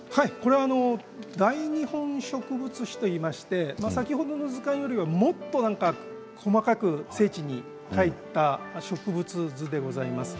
「大日本植物志」といいまして先ほどの図鑑よりももっと細かく精緻に描いた植物図でございます。